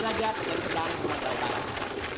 saya yang seperti perjalanan di jawa tenggara ini